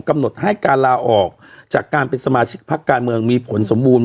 กำหนดให้การลาออกจากการเป็นสมาชิกพักการเมืองมีผลสมบูรณ